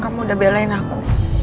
kamu udah belain aku